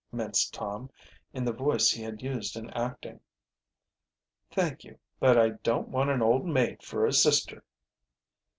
minced Tom, in the voice he had used in acting. "Thank you, but I don't want an old maid for a sister."